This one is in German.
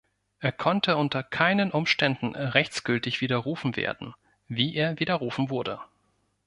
Er konnte unter keinen Umständen rechtsgültig widerrufen werden, wie er widerrufen wurde.